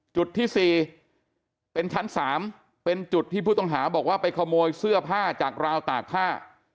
จุดที่๔เป็นชั้น๓เป็นจุดที่ผู้ต้องหาบอกว่าไปขโมยเสื้อผ้าจากราวตากผ้า